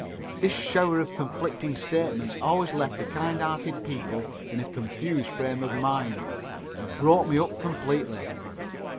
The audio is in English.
This shower of conflicting statements always left the kindhearted people in a confused frame of mind and broke me up completely.